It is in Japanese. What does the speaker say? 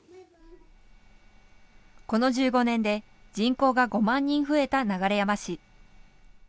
この１５年で人口が５万人増えた流山市。